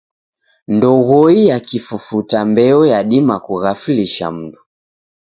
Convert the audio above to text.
Ndoghoi ya kifufuta mbeo yadima kughaflisha mndu.